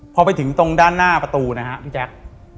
พอไปถึงตรงด้านหน้าประตูนะฮะพี่แจ๊ค